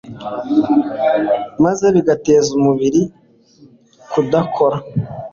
maze bigateza umubiri kudakora